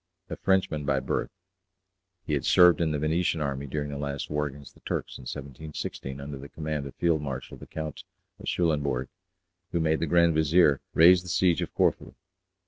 A Frenchman by birth, he had served in the Venetian army during the last war against the Turks in 1716, under the command of Field Marshal the Count of Schulenbourg, who made the Grand Vizier raise the siege of Corfu.